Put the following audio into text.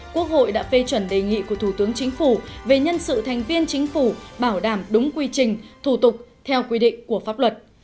quốc hội đã phê chuẩn đề nghị của thủ tướng chính phủ về nhân sự thành viên chính phủ bảo đảm đúng quy trình thủ tục theo quy định của pháp luật